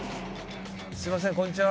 すみませんこんにちは。